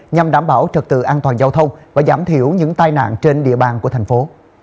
nhằm đảm bảo trật tự an toàn giao thông và giảm thiểu những tai nạn trên địa bàn của thành phố